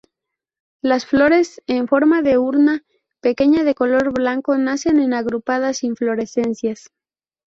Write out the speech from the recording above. Las flores, en forma de urna pequeña, de color blanco nacen en agrupadas inflorescencias.